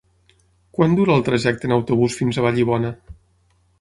Quant dura el trajecte en autobús fins a Vallibona?